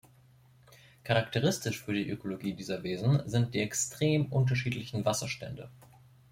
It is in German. Charakteristisch für die Ökologie dieser Wiesen sind die extrem unterschiedlichen Wasserstände.